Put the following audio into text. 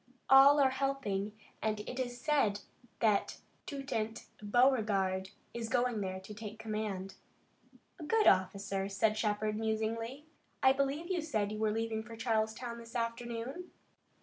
All are helping and it is said that Toutant Beauregard is going there to take command." "A good officer," said Shepard, musingly. "I believe you said you were leaving for Charleston this afternoon?"